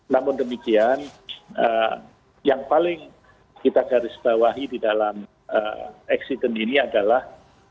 namun demikian yang paling kita garis bawahi di dalam eksiden ini adalah